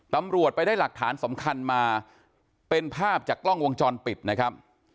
ตำรวจไปได้หลักฐานสำคัญมาเป็นภาพจากกล้องวงจรปิดนะครับ